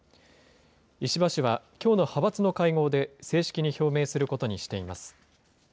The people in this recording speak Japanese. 石破氏はきょうの派閥の会合で、正式に表明することにしています。